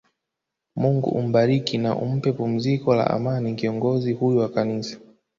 Mungu umbariki na umpe pumziko la Amani kiongozi huyu wa kanisa